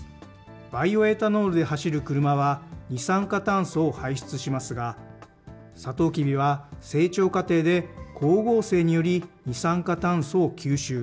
バイオエタノールで走る車は二酸化炭素を排出しますが、サトウキビは成長過程で光合成により二酸化炭素を吸収。